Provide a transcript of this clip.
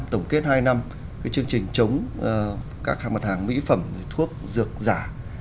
tổng kết hai năm chương trình chống các mặt hàng mỹ phẩm thuốc dược giả